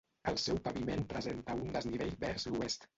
El seu paviment presenta un desnivell vers l'oest.